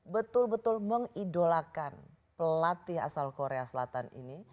betul betul mengidolakan pelatih asal korea selatan ini